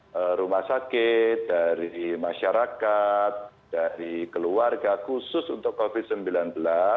dari rumah sakit dari masyarakat dari keluarga khusus untuk covid sembilan belas